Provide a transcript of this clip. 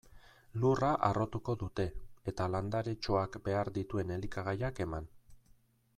Lurra harrotuko dute, eta landaretxoak behar dituen elikagaiak eman.